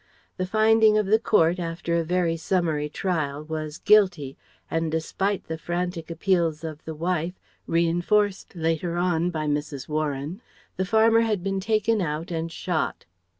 The finding of the court after a very summary trial was "guilty," and despite the frantic appeals of the wife, reinforced later on by Mrs. Warren, the farmer had been taken out and shot.